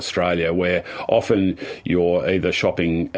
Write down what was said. di mana terlalu sering